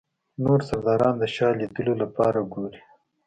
نور سرداران د شاه لیدلو لپاره ګوري.